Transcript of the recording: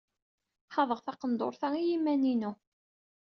Xaḍeɣ taqendurt-a i yiman-inu.